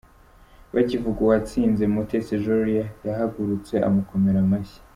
Bakivuga uwatsinze Mutesi Jolly yahagurutse amukomera amashyi.